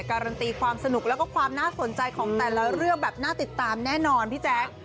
การันตีความสนุกแล้วก็ความน่าสนใจของแต่ละเรื่องแบบน่าติดตามแน่นอนพี่แจ๊ค